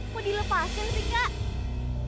kok dilepasin sih kak